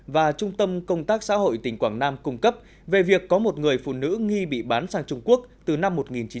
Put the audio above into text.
và trung tâm công tác xã hội tỉnh quảng nam cung cấp về việc có một người phụ nữ nghi bị bán sang trung quốc từ năm một nghìn chín trăm chín mươi